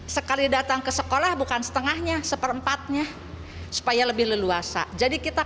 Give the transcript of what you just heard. sekali datang ke sekolah bukan setengahnya seperempatnya supaya lebih leluasa jadi kita